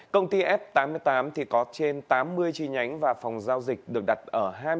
công ty f tám mươi tám có trên tám mươi chi nhánh và phòng giao dịch được đặt ở hai mươi ba